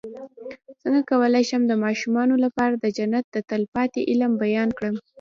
څنګه کولی شم د ماشومانو لپاره د جنت د تل پاتې علم بیان کړم